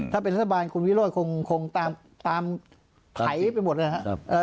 ถ้าเป็นรัฐบาลคุณวิโรธคงตามไถไปหมดเลยครับ